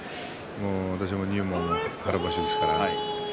私も入門が春場所です。